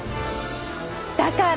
だから！